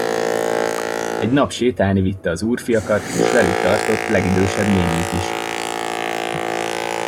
Egy nap sétálni vitte az úrfiakat, s velük tartott legidősebb nénjük is.